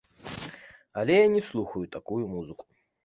Але я не слухаю такую музыку.